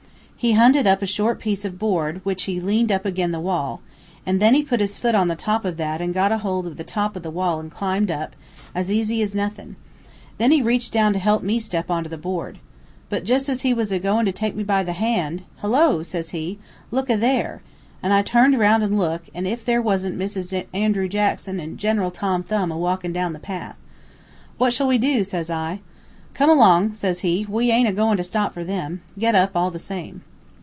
He hunted up a short piece of board which he leaned up ag'in the wall, an' then he put his foot on the top of that an' got hold of the top of the wall an' climbed up, as easy as nuthin'. Then he reached down to help me step onto the board. But jus' as he was agoin' to take me by the hand: 'Hello!' says he. 'Look a there!' An' I turned round an' looked, an' if there wasn't Mrs. Andrew Jackson an' General Tom Thumb a walkin' down the path. "'What shall we do?' says I. "'Come along,' says he. 'We aint a goin' to stop for them. Get up, all the same.'